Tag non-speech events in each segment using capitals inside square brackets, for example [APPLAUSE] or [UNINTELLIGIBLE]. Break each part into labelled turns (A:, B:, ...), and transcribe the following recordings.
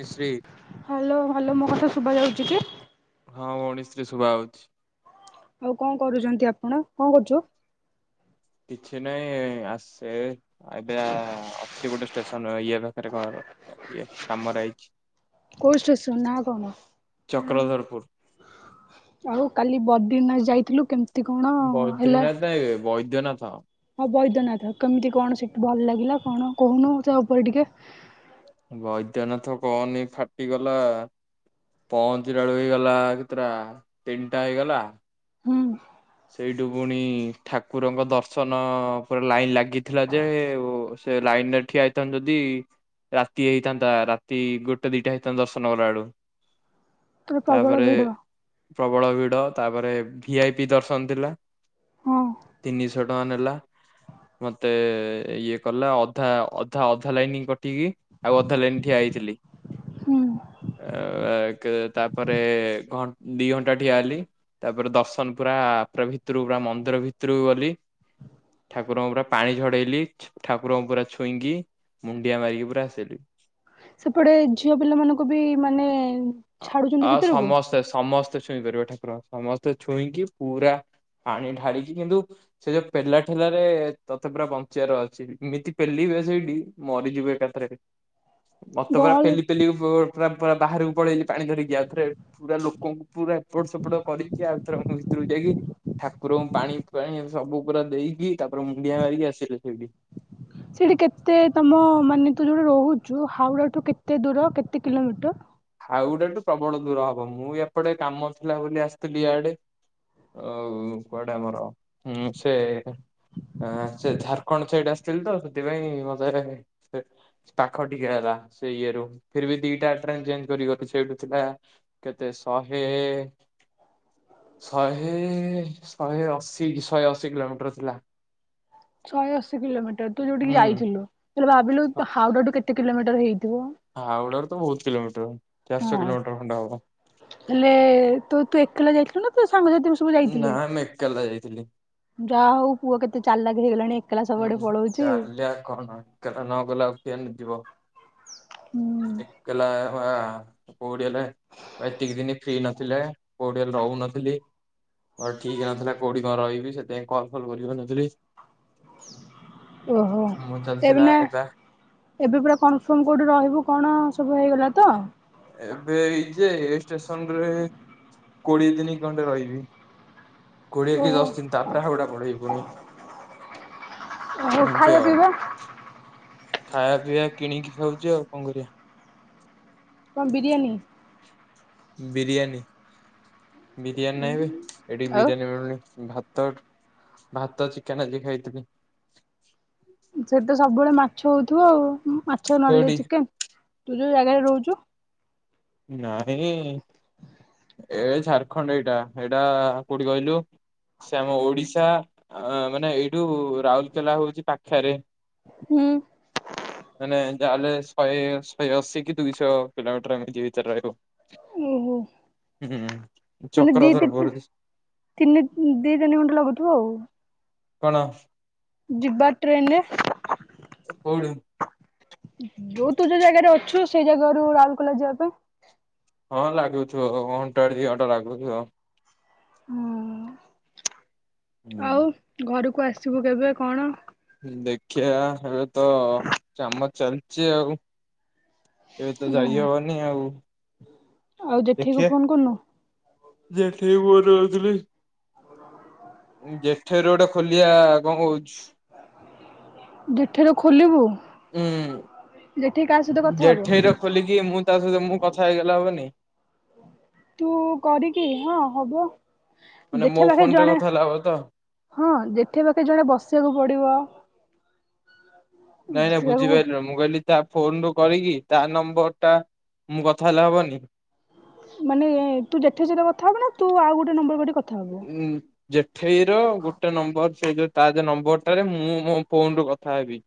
A: ମିସିରି
B: hello hello ମୋ କଥା ଶୁଭା ଯାଉଛି କି?
A: ହଁ ଉଣେଇଶରେ ଶୁଭା ହଉଛି।
B: ଆଉ କଣ କରୁଛନ୍ତି ଆପଣ କଣ କରୁଛୁ?
A: କିଛି ନହିଁ ଆସେ ଏବେ ଅଛି ଗୋଟେ ଷ୍ଟେସନ ଇଏ ପାଖରେ କଣ ଇଏ କାମରେ ଆଇଛି।
B: କୋଉ ଷ୍ଟେସନ ନା କଣ?
A: ଚକ୍ରଧରପୁର
B: ଆଉ କାଲି ବଦ୍ରନାଥ ଯାଇଥିଲୁ କେମତି
A: ବୈଦ୍ରୀନାଥ ନାଇଁ ବେ ବୈଦ୍ୟନାଥ।
B: ହଁ ବୈଦ୍ୟନାଥ। କେମିତି କଣ ସେଠି ଭଲ ଲାଗିଲା କଣ କହୁନୁ ତା ଉପରେ ଟିକେ?
A: ବୈଦ୍ୟନାଥ କହନି ଫାଟିଗଲା। ପହଞ୍ଚିିଲା ବେଳୁ ହେଇଗଲା କେତେଟା ତିନିଟା ହେଇଗଲା।
B: ହୁଁ।
A: ସେଇଠୁ ପୁଣି ଠାକୁରଙ୍କ ଦର୍ଶନ ପ ଲାଇନ୍ ଲାଗିଥିଲା ଯେ ସେ ଲାଇନ୍ ରେ ଠିଆ ହେଇଥାନ୍ତୁ ଯଦି ରାତି ହେଇଥାନ୍ତା ରାତି ଗୋଟେ ଦିଟା ହେଇଥାନ୍ତା ଦର୍ଶନ କଲା ବେଳୁ।
B: ପୁରା ପ୍ରବଳ
A: ତାପରେ
B: ଭିଡ
A: ପ୍ରବଳ ଭିଡ। ତାପରେ ଠିଆ ଦର୍ଶନ ଥିଲା।
B: ହଁ
A: ତିନିଶହ ଟଙ୍କା ନେଲା। ମତେ ଇଏ କଲା ଅଧା ଅଧା ଅଧା ଲାଇନିଂ କଟିକି ଆଉ ଅଧା ଲାଇନ୍ ଠିଆ ହେଇଥିଲି।
B: ହୁଁ।
A: ତାପରେ ଘ ଦି ଘଣ୍ଟା ଠିଆ ହେଲି। ତାପରେ ଦର୍ଶନ ପୁରା ଭିତରୁ ପୁରା ମନ୍ଦିର ଭିତରକୁ ଗଲି। ଠାକୁରଙ୍କ ପୁରା ପାଣି ଝଡେଇଲି ଠାକୁରଙ୍କଙ୍କୁ ପୁରା ଛୁଇଁକି। ମୁଣ୍ଡିିଆ ମାରିକି ପୁରା ଆସିଲୁ।
B: ସେପଟେ ଝିଅ ପିଲା ମାନଙ୍କୁ ବି ମାନେ ଛାଡୁଛନ୍ତି ଭିତରକୁ?
A: ସେ ସମସ୍ତେ ସମେ ଛୁଇଁ ପାରିବ ଠାକୁର ସମସ୍ତେ ଛୁଇଁକି ପୁରା ପାଣି ଢାଳିକି କିନ୍ତୁ ସେ ଯୋଉ ପେଲା ଠେଲାରେ ତତେ ପୁରା ବଞ୍ଚିବାର ଅଛି ଏମିତି ପେଲିବେ ସେଇଠି ମରିଯିବେ ଏକାଥରେ। [UNINTELLIGIBLE] ମତେ ପୁରା
B: ଗହଳି
A: ପେଲି ପେଲିି ପ ପୁରା ବାହାରକୁ ପଳେଇଲି ପାଣି ଧରିକି ଆଉରେ ପୁରା ଲୋକଙ୍କୁ। ପୁରା ଏପଟ ସେପଟ କରିକି ଆଉଛି। ଭିତରକୁ ଯାଇକି ଠାକୁରଙ୍କୁ ପାଣି ଫାଣି ସବୁ ପୁରା ଦେଇକି ତାପରେ ମୁଣ୍ଡିଆ ମାରିକି ଆସିଲେ ସେଇଠି।
B: ସେଠି କେତେ ତମ ମାନେ ତୁ ଯୋଉଟ ରହୁଛୁ ହାଉଡାଠୁ କେତେ ଦୂର କେତେ କିଲୋମିଟର?
A: ହାଉ ଡାଠୁ ପ୍ରବଳ ଦୂର ହବ ମୁଁ ଏପଟେ କାମ ଥିଲା ବୋଲି ଆସିଥିଲି ଇାଆଡେ। ଆଉ କୁଆଡେ ଆମରଁ ସେ ଆ ସେ ଝାାରଖଣ୍ଡ ସାଇଡ୍ ଆସିଥିଲି ତ ସେଥିପାଇଁ ମତେ ପାଖ ଟିକେ ହେଲା ସେଇ ଇଏରୁ ଫିର ବି ଦିଟା ଟ୍ରେନ୍ଞ କରି ସେଇଠୁ ଥିଲା କେତେ ଶହେ ଶହେ ଶହେ ଅଶୀ ଶହେ ଅଶୀ କିଲୋମିଟର ଥିଲା।
B: ଶହେ ଅଶୀ କିଲୋମିଟର ତୁ ଯୋଉଠିକି
A: ହୁଁ।
B: ଯାଇଥିଲୁ ତାଲେ ଭାବିଲୁ ହାଉ ଟାଠୁ କେତେ କିଲୋମିଟର ହେଇଥିବ?
A: ହାଉଡ଼ା ତ ବହୁତ କିଲୋମିଟର ଚାରିଶହ
B: ହଁ
A: କିଲୋମିଟର ଖଣ୍ଡେ ହବ।
B: ହେଲେ ତୁ ତୁ ଏକାଲା ଯାଇଥିଲୁ ନା ତୋ ସାଙ୍ଗସାଥି। ମିଶି
A: ନା ଆମେ ଏକାଲା ଯାଇଥିଲୁ।
B: ଯାହା ହଉ ପୁଅ କେତେ ଚାଲାଖ ହେଇଗଲାଣି। ଏକଲା
A: ହୁଁ
B: ସବୁଆଡେ ପଳଉଛି।
A: ଚାଲିଲ କଣ ଗଲା ନ ଗଲା ଆଉ ପଏନ ଯିବ।
B: ହୁଁ।
A: ହେଲା ବା ପଉଡିଆଲେ। ଏତିକି ଦିନ ଫ୍ରି ନଥିଲେ କୋଉଠି ରହୁନଥିଲି। ମୋର ଠିକ ନଥିଲା କୋଉଠି କଣ ରହିବି ସେଥିପାଇଁ କାନ୍ଫୋର୍ମ କରି ନଥିଲି।
B: ଓହୋ
A: କାମ
B: ଏବେ
A: ଚାଲିଥିଲା
B: ନା?
A: ଏଟା
B: ଏବେ ପୁରା କନଫର୍ମ କୋଉଠି ରହିବୁ କଣ ସବୁ ହେଇଗଲା ତ?
A: ଏବେ ଏଇ ଯେ ଏ ଷ୍ଟେସନ ରେ କୋଡିଏ ଦିନି ଖଣ୍ଡେ ରହିବି। କୋଡିଏ କି
B: ଓହୋ
A: ଦଶ ଦିନ ତାପରେ ହାୱାଡା ପଳେଇବି ପୁଣିି।
B: ହଉ ଖାଇଲେ ପିଇବୁ।
A: ଖାଇବା ପିଇବା କିଣିକି ଖାଉଛି ଆଉ କଣ କରିବା।
B: କଣ ବିରିୟାନୀ।
A: ବିରିୟାନୀ ବିରିୟାନୀ ନାହିବେ ଏଠି
B: ଆଉ
A: ବିରିୟାନୀ ମିଳୁନି ଭାତ। ଭାତ ଚିକେନ ଆଜି ଖାଇଥିଲି।
B: ସେ ତ ସବୁବେଳେ ମାଛ ହଉଥିବ ଆଉ ମାଛ ନଲେ
A: କୋଉଠି
B: ଚିକେନ ତୁ ଯୋଉ ଜାଗାରେ ରହୁଛୁ।
A: ନାହିଁ। ଏ ଝାରଖଣ୍ଡ ଏଇଟା ଏଇଟା କୋଉଠି କହିଲୁ ସେ ଆମ ଓଡିଶା ଅ ମାନେ ଏଇଠୁ ରାଉରକେଲା ହଉଛି ପାଖରେ।
B: ହୁଁ।
A: ମାନେ ଯାହାହେଲେ ଶହେ ଶହେ ଅଶୀ କି ଦୁଇଶହ କିଲୋମିଟର ଏମିତି ଭିତରେ ରହିବ। [INAUDIBLE]
B: ଓହୋ ମାନେ
A: ଚକ୍ରଧରପୁର
B: ଦିତି ତିନି ଦି ତିନି ଘଣ୍ଟା ଲାଗୁଥିବ ଆଉ।
A: କଣ?
B: ଯିବା ଟ୍ରେନରେ।
A: କୋଉଠି।
B: ଯୋଉ ତୁ ଯୋଉ ଜାଗାରେ ଅଛୁ ସେଇ ଜାଗାାରୁ ରାଉରକେଲା ଯିବା ପା।
A: ହଁ ଲାଗୁଥିବ ଘଣ୍ଟା ଦି ଘଣ୍ଟା ଲାଗୁଥିବ।
B: ହଁ
A: ହୁଁ।
B: ଆଉ ଘରକୁ ଆସିବୁ କେବେ କଣ?
A: ଦେଖିବା ଏବେ ତ କାମ ଚାଲିଛି ଆଉ। ଏବେ ତ ଯାଇ ହବ ନି ଆଉ।
B: ଆଉ ଯେଠିକୁୁ ଫୋନ କରିନୁ?
A: ଯେଠି କୁ ଫୋନ୍ କରିଥିଲି
B: [INAUDIBLE]
A: ଜେଠେ ର ଗୋଟେ ଖୋଲିବା କଣ କହୁଛୁ?
B: ଯେଠେର ଖୋଲିବୁ
A: ଉଁ
B: ଯେଠି କାହା ସହିତ କଥା ହେବ?
A: ଜେଠେଇର ଖୋଲିକି ମୁଁ ତା ସହିତ ମୁଁ କଥା ହେଇଗଲେ ହବନି।
B: ତୁ କରିକି ହଁ ହବ
A: ମାନେ ମୋ
B: ଯେଠେ ପାଖେ
A: ଫୋନରେ
B: ଜଣେ
A: କଥା ହେଲେ ହବ ତ?
B: ହଁ ଯେଠେ ପାଖେ ଜଣେ ବସିବାକୁ ପଡିବ।
A: ନାଇଁ ନାଇ ବୁଝିପାରିଲୁନି ମୁଁ କହିଲି ତା ଫୋନ ରୁ କରିକି ତା ନମ୍ବର ଟା ମୁଁ କଥା ହେଲେ ହବନି?
B: ମାନେ ତୁ ଯେଠେ ସହିତ କଥା ହବୁ ନା ତୁ ଆଉ ଗୋଟେ ନମ୍ବର କରି କଥା ହବୁ।
A: ଉଁ ଜେଠେଇର ଗୋଟେ ନମ୍ବର ସେ ଯୋଉ ତା ଯୋଉ ନମ୍ବରଟାରେ ମୁଁ ମୋ ଫୋନରୁ କଥା ହେବି।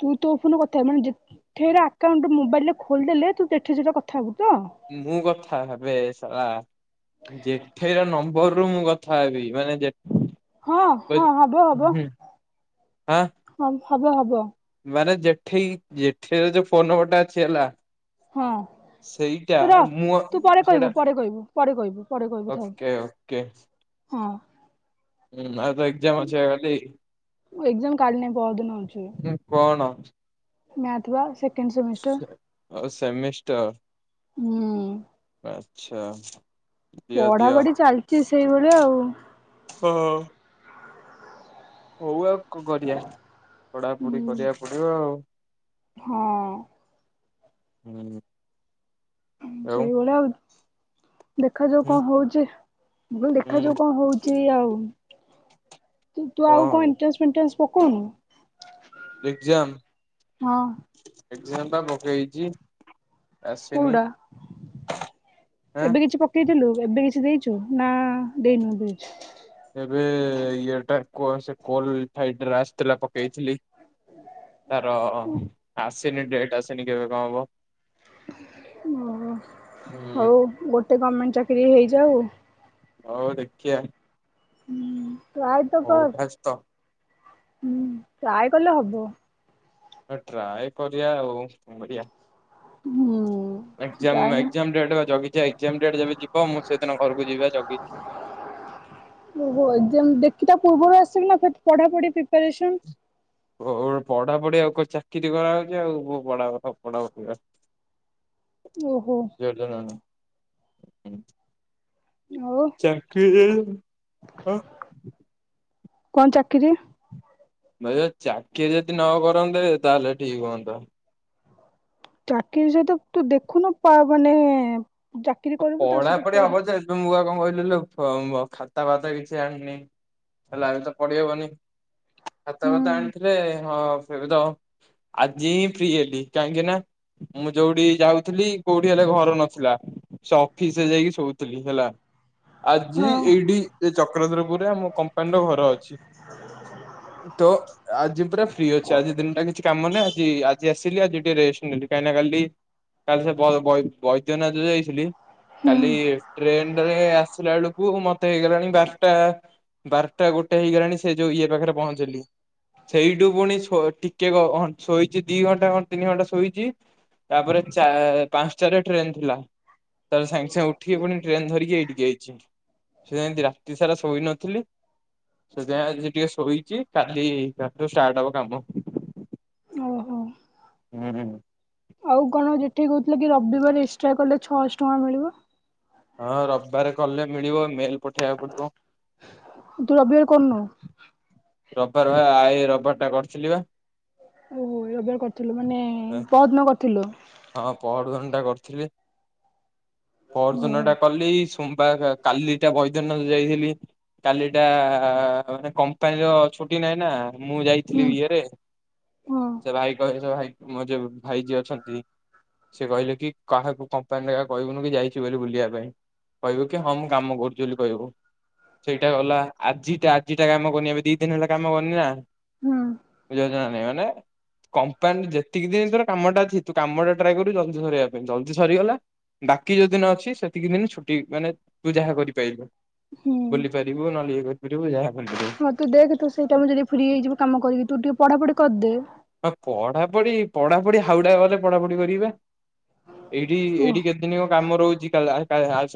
B: ତୁ ତୋ ଫୋନରୁ କଥାହବୁ ମାନେ ଜେଠେଇର ଆକାଉଣ୍ଟ ମୋବାଇଲରେ ଖୋଲିଦଲେ ତୁ ଜେଠେଇ ସହିତ କଥା ହବୁ ତ?
A: ମୁଁ କଥା ହେବେ ଶଳା। ଜେଠେଇର ନମ୍ବରରୁ ମୁଁ କଥା ହେବି ମାନେ ଯେ
B: ହଁ ହଁ ହବ, ହବ,
A: ଆଁ
B: ହଁ ହବ, ହବ।
A: ମାନେ ଯେଠେଇ ଯେଠିଇର ଯୋଉ ଫୋନ୍ ନମ୍ବରଟା ଅଛି ହେଲା
B: ହଁ
A: ସେଇଟା
B: ତୁ ରଅ
A: ମୁଁ
B: ତୁ ପରେ କହିବୁ,
A: ସେଇଟା
B: ପରେ କହିବୁ, ପରେ କହିବୁ, ପରେ କହିବୁ ଥାଉ।
A: ଓକେ ଓକେ
B: ହଁ
A: ହୁଁ ଆଉ ତୋ ଏକ୍ଜାମ ଅଛିିପା କାଲି।
B: ଏକ୍ଜାମ କାଲି ନାଇଁ ପହରଦିନ ଅଛି।
A: ସେ କଣ ଅଛି?
B: ମ୍ୟାଥ୍ ବା ସେ
A: ସେ ଅ ସେମିଷ୍ଟର,
B: ହୁଁ।
A: ଆଚ୍ଛା। ଦିଅ ଦିଅ
B: ପଢ଼ାପଢି ଚାଲିଚି ସେଇଭଳିଆ ଆଉ।
A: ହଁ ହଉ ଆଉ କ କରିବା, ପଢ଼ାପଢି
B: ହୁଁ
A: କରିବାକୁ ପଡିବ ଆଉ।
B: ହଁ
A: ହୁଁ
B: ସେଇଭଳିଆ ଆଉ, ଦେଖାଯାଉ
A: ହୁଁ
B: କଣ ହଉଛି। ମୁଁ କହିଲି
A: ହୁଁ
B: ଦେଖାଯାଉ କଣ ହଉଚି ଆଉ। ତୁ, ତୁ ଆଉ କଣ ଏଣ୍ଟ୍ରାନ୍ସ ଫେଣ୍ଟ୍ରାନ୍ସ ପକଉନୁ?
A: ଏଗ୍ଜାମ୍,
B: ହଁ
A: ଏଗ୍ଜାମ୍ ପା ପକେଇଚି।
B: କୋଉଟା,
A: ଆଁ
B: ଏବେ କିଛି ପ କେଇଥିଲୁ ଏବେ କିଛି ଦେଇଛୁ ନା ଦେଇନୁ ଏବେ କିଛି?
A: ଏବେ ଇଏଟା କ ସେ କଲ୍ ରିଫାଇଟରେ ଆସିଥିଲା ପକେଇଥିଲି। ତାର ଆସିନି ଡେଟ୍ ଆସିନି କେବେ କଣ ହବ?
B: ମୁଁ,
A: ହୁଁ
B: ହଉ ଗୋଟେ ଗମେଣ୍ଟ ଚାକିରି ହେଇଯାଉ।
A: ହଉ ଦେଖିଆ।
B: ଟ୍ରାଏ ତ
A: ହଉ
B: କର,
A: ଫାଷ୍ଟ
B: ହୁଁ, ଟ୍ରାଏ କଲେ ହବ।
A: ତ ଟ୍ରାଏ କରିବା ଆଉ କରିବା,
B: ହୁଁ
A: ଏଗ୍ଜାମ୍
B: ଟ୍ରାଏ ନା
A: ଏଗ୍ଜାମ୍ ଡେଟ୍ ପା ଜଗିଚି ଆଇ ଏଗ୍ଜାମ୍ ଡେଟ୍ ଯେବେ ଯିବ ମୁଁ ସେଦିନ ଘରକୁ ଯିବି ପା ଜଗିଚି।
B: ଓହୋ ଏଗ୍ଜାମ୍ ଦେଖି ତା ପୂର୍ବରୁ ଆସିଲୁ ନା [UNINTELLIGIBLE] ପଢାପଢି ପ୍ରିପାରେସନ୍
A: କଣ ପଢାପଢି ଆଉ କ ଚାକିରି କରାହଉଛି ଆଉ ପଢ଼ାଅ ନ ପଢାଅ [UNINTELLIGIBLE]
B: ଓହୋ।
A: ଜଣାନାହିଁ।
B: ଆଉ
A: ଚାକିରି ହଁ।
B: କଣ ଚାକିରି?
A: ଭାଇ ଯଦି ଚାକିରୀ ଯଦି ନ କରନ୍ତେ ତାହେଲେ ଠିକ୍ ହୁଅନ୍ତା।
B: ଚାକିରୀ ସହିତ ତୁ ଦେଖୁନୁ ପା ମାନେ ଚାକିରି କରିବୁ ତା ସହିତ ପଢିବୁ।
A: ତୁ ମୁଗା କଣ କହିଲୁ ଲୋ [UNINTELLIGIBLE] ଖାତା ଫାତା କିଛି ଆଣିନି? ହେଲେ ଆମେ ତ ପଢ଼ି ହବନି, ଖାତା
B: ହୁଁ
A: ଫାତା ଆଣିଥିଲେ ହଁ ସେବିତ ଆଜି ହିଁ ଫ୍ରି ହେଲି କାହିଁକି ନା ମୁଁ ଯୋଉଠି ଯାଉଥିଲି କୋଉଠି ହେଲେ ଘର ନଥିଲା ସେ ଅଫିସିରେ ଯାଇକି ଶୋଉଥିଲି ହେଲା ଆଜି
B: ହଁ
A: ଏଇଠି ଚକ୍ରଧରପୁରରେ ଆମ କମ୍ପାନୀର ଘର ଅଛି ତ ଅ ଆଜି ପୁରା ଫ୍ରି ଅଛି ଆଜି ଦିନଟା କିଛି କାମ ନାହିଁ ଆଜି ଆଜି ଆସିଲି ଆଜି ଟିକେ ରେଷ୍ଟେ ନେବି କାହିଁକି ନା କାଲି କାଲି ସେ ବୈଦ୍ୟନା ଯାଇଥିଲି
B: ହୁଁ
A: କାଲି ଟ୍ରେନରେ ଆସିଲା ବଳକୁ ମେ ମତେ ହେଇଗଲାଣି ବାରଟା ବାରଟା ଗୋଟେ ହେଇଗଲାଣି ସେ ଯୋଉ ଇଏ ପାଖରେ ପହଞ୍ଚିଲି ସେଇଠୁ ପୁଣି ଟିକେ ଶୋଇଛି ଦି ଘଣ୍ଟା କଣ ତିନି ଘଣ୍ଟା ଶୋଇଛି ତାପରେ ପାଞ୍ଚଟାରେ ଟ୍ରେନ୍ ଥିଲା ତାପରେ ସାଙ୍ଗେ ସାଙ୍ଗେ ଉଠିକି ପୁଣି ଟ୍ରେନ ଧରିକି ଏଇଠିକି ଆଇଛି ସେମିତି ରାତି ସାରା ଶୋଇନଥିଲି ସେଥିପାଇଁ ଆଜି ଟିକେ ଶୋଇଛି କାଲି କାଲିଠୁ ଷ୍ଟାର୍ଟ ହବ କାମ
B: ଓହୋ।
A: ହୁଁ
B: ଆଉ କଣ ଯେଠି କହୁଥିଲେ କି ରବିବାର ଏକ୍ସ୍ରା କଲେ ଛଅଶହ ଟଙ୍କା ମିଳିବ
A: ହଁ ରବିବାରେ କଲେ ମିଳିବ ମେଲ୍ ପଠେଇବାକୁ ପଡ଼ିବ
B: ତୁ ରବିବାର କରୁନୁ
A: ରବିବାର ପା ଏଇ ରବିବାର ଟା କରୁଥିଲି ପା
B: ଓହୋ ଏଇ ରବିବାର କରିଥିଲୁ ମାନେ ପହରଦିନ କରିଥିଲୁ
A: ହଁ ପହରଦିନ ଟା କରିଥିଲି ପହରଦିନ
B: ଓହୋ
A: ଟା କଲି କୁମ୍ବା କାଲି ଟା ବୈଦ୍ୟନାଥ ଯାଇଥିଲି କାଲିଟା ମାନେ କମ୍ପାନୀର ଛୁଟି ନାହିଁ ନା ମୁଁ
B: ହୁଁ
A: ଯାଇଥିଲି ଇଏରେ
B: ହଁ।
A: ସେ ଭାଇ କହଥିଲେ ସେ ଭାଇ ମୋର ଯୋଉ ଭାଇ ଯିଏ ଅଛନ୍ତି ସେ କହିଲେ କି କାହାକୁ କମ୍ପାନୀରେ କହିବୁନି କି ଯାଇଛି ବୋଲି ବୁଲିବା ପାଇଁ କହିବୁ କି ହଁ ମୁଁ କାମ କରୁଛି ବୋଲି କହିବୁ ସେଇଟା ଗଲା ଆଜିଟା ଆଜିଟା କାମ କରନି ଏବେ ଦି ଦିନ ହେଲା କାମ କରନି ନା
B: ହୁଁ
A: ବୁଝିପାରୁଛ ନାଇଁ ମାନେ କମ୍ପାନୀ ଯେତିକି ଦିନ ତୋର କାମଟା କାମ ଟା ଟ୍ରାଏ କରୁବୁ ଜଲ୍ଦି ସରିବା ପାଇଁ ଜଲ୍ଦି ସରିଗଲା ବାକି ଯୋଉଦିନ ଅଛି ସେତିକି ଦିନ ଛୁଟି ମାନେ ତୁ ଯାହା କରିପାରିବୁ
B: ହୁଁ
A: ବୁଲିପାରିବୁ ନହେଲେ ଇଏ କରିପାରିବୁ ଯାହା କରିପାରିବୁ
B: ହଁ ତୁ ଦେଖେ ସେଇଟା ମୁଁ ଯଦି ଫ୍ରି ହେଇଯିବ କାମ କରିବି ତୁ ଟିକେ ପଢ଼ାପଢ଼ି କରିଦେ
A: ହ ପଢ଼ାପଢ଼ି ପଢ଼ାପଢ଼ି ହାଉଡା ଗଲେ ପଢ଼ାପଢ଼ି କରିବି ପା ଏଇଠି
B: ଓ
A: ଏଇଠି କେ ଦିନ କାମ ରହୁଛି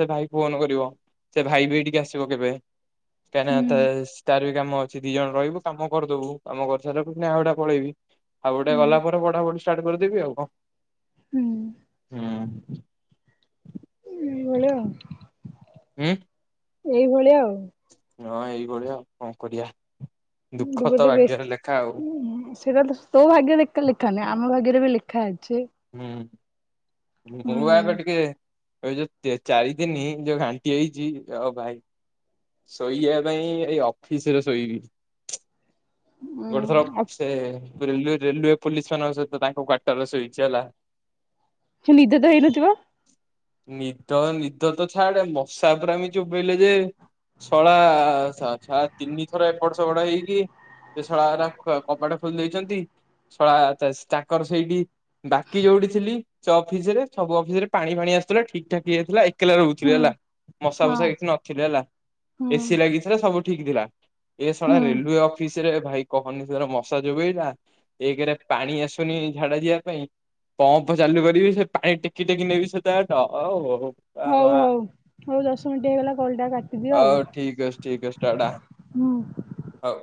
A: ସେ ଭାଇ ଫୋନ୍ କରିବ ସେ ଭାଇ ବି ଏଇଠିକି ଆସିବ କେବେ କାହିଁକିନା
B: ହୁଁ
A: ତାର ବି କାମ ଅଛି ଦି ଜଣ ରହିବୁ କାମ କରିଦବୁ କାମ କରି ସାରିଲା ପରେ ହାଓଡ଼ା ପଳେଇବି ହାଓଡ଼ା
B: ହୁଁ
A: ଗଲା ପରେ ପଢ଼ାପଢ଼ି ଷ୍ଟାଟେ କରିଦେବି ଆଉ କଣ
B: ହୁଁ
A: ହୁଁ
B: ଏଇଭଳିଆ ଆଉ
A: ହୁଁ
B: ଏଇଭଳିଆ ଆଉ
A: ହଁ ଏଇଭଳିଆ ଆଉ କଣ କରିବା ଦୁଃଖ ତ
B: ଡୁବଦେ ବେଶ
A: ଭାଗ୍ୟରେ ଲେଖା ଆଉ
B: ହୁଁ ସେଇଟା ତୋ ଭାଗ୍ୟରେ ଏକା ଲେଖା ନାହିଁ ଆମ ଭାଗ୍ୟରେ ବି ଲେଖା ଅଛି
A: ହୁଁ
B: ହୁଁ
A: ବେଉ ପାଏବେ ଟିକେ ଏଇ ଯୋଉ ଚାରି ଦିନି ଯୋଉ ଘାଣ୍ଟି ହେଇଛି ଆଉ ଭାଇ ଶୋଇବା ପାଇଁ ଏଇ ଅଫିସିରେ ଶୋଇବି
B: ଉଁ
A: ଗୋଟେ ଥର
B: ଆଉ
A: ସେ ରେୱଏ ପୋଲିସି ମାନଙ୍କ ସହିତ ତାଙ୍କ କ୍ଵାଟରରେ ଶୋଇଛି ହେଲା
B: କି ନିଦ ତ ହେଇନଥିବ
A: ନିଦ ନିଦ ତ ଛାଡ ମଶା ପୁରା ଏମିତି ଚୋବେଇଲେ ଯେ ଶଳା ଛା ତିନି ଥର ଏପଟ ସେପଡ ହେଇକି ସେ ଶଳା କବାଟ ଖୋଲି ଦେଇଛନ୍ତି ଶଳା ତାଙ୍କର ସେଇଠି ବାକି ଯୋଉଠି ଥିଲି ଅଫିସରେ ସବୁ ଅଫିସ ରେ ପାଣି ଫାଣି ଆସୁଥିଲା ଠିକ ଠାକ ହେଇଯାଇଥିଲା ଏକଲା ରହୁ
B: ହୁଁ
A: ହେଲା ମଶା
B: ହଁ।
A: ଫସା କିଛି ନଥିଲି ହେଲା
B: ହୁଁ
A: ଏସି ଲାଗିଥିଲା ସବୁ ଠିକ ଥିଲା ଏଇା
B: ହୁଁ।
A: ରେଲୱେ ଅଫିସ ରେ ଭାଇ କହନିର ମଶା ଚୋଵେଇଲା ଏକରେ ପାଣି ଆସୁନି ଝାଡା ଯିବା ପାଇଁ ପମ୍ପ ଚାଲୁ କରିବି ସେ ପାଣି ଟେକି ଟେକି ନେବି ସେତ ବାଟ ବୋପା
B: ହଉ
A: ମା
B: ହଉ ହଉ ଦଶ ମିନିଟ୍ ହେଇଗଲା କଲ୍ ଟା କାଟିଦିଅ
A: ଆଉ ଠିକ ଅଛି ଠିକ ଅଛି ଟାଟା
B: ହୁଁ।
A: ହଉ